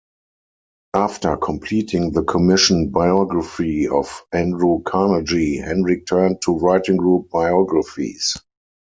After completing the commissioned biography of Andrew Carnegie, Hendrick turned to writing group biographies.